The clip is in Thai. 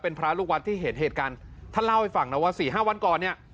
เป็นพระลูกวัดที่เห็นเหตุการณ์ท่านเล่าให้ฟังนะว่าสี่ห้าวันก่อนเนี่ย